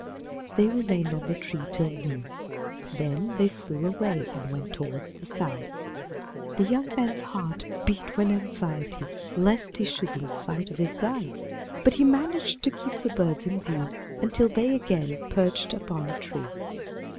They remained on the tree till noon; then they flew away and went towards the south. The young man's heart beat with anxiety lest he should lose sight of his guides, but he managed to keep the birds in view until they again perched upon a tree.